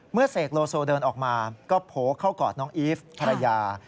เสกโลโซเดินออกมาก็โผล่เข้ากอดน้องอีฟภรรยา